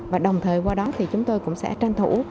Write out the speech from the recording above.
và đồng thời qua đó thì chúng tôi cũng sẽ tranh thủ